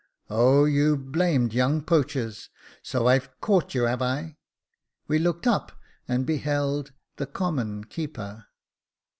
Oh, you blam'd young poachers, so I've caught you, have I ?" We looked up and beheld the common keeper.